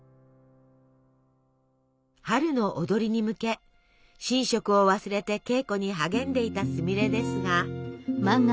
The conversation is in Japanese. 「春のをどり」に向け寝食を忘れて稽古に励んでいたすみれですが。